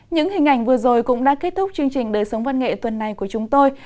những hình ảnh vừa rồi cũng đã kết thúc chương trình đời sống văn nghệ tuần này của chúng tôi